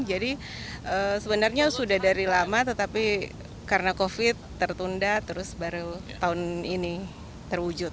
jadi sebenarnya sudah dari lama tetapi karena covid tertunda terus baru tahun ini terwujud